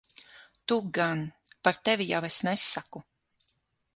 Tu gan. Par tevi jau es nesaku.